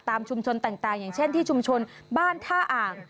ชุมชนต่างอย่างเช่นที่ชุมชนบ้านท่าอ่าง